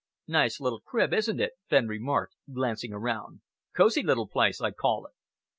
"Nice little crib, isn't it?" Fenn remarked, glancing around. "Cosy little place, I call it."